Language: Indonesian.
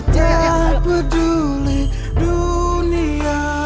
tak peduli dunia